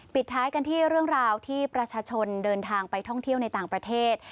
ปิดท้ายกันที่เรื่องราวที่ประชาชนเดินทางไปท่องเที่ยวในต่างประเทศ